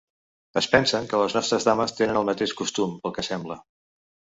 Es pensen que les nostres dames tenen el mateix costum, pel que sembla.